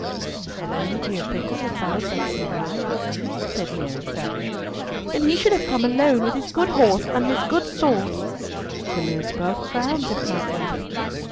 "And how many do you think would have followed that same lion?" said Mary, sadly. "Then he should have come alone with his good horse and his good sword!" "To lose both crowns, if not life!